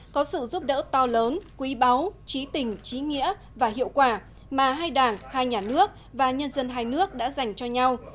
có sự giúp đỡ to lớn quý báu trí tình trí nghĩa và hiệu quả mà hai đảng hai nhà nước và nhân dân hai nước đã dành cho nhau